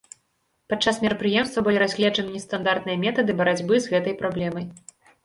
Падчас мерапрыемства былі разгледжаны нестандартныя метады барацьбы з гэтай праблемай.